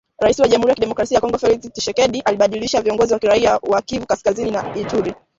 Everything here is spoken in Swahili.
Rais wa Jamhuri ya kidemokrasia ya Kongo Felix Thisekedi alibadilisha viongozi wa kiraia wa Kivu Kaskazini na Ituri.